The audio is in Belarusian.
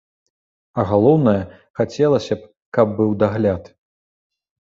А галоўнае, хацелася б, каб быў дагляд.